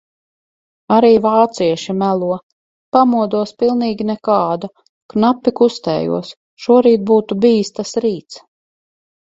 Arī vācieši melo. Pamodos pilnīgi nekāda, knapi kustējos, šorīt būtu bijis tas rīts.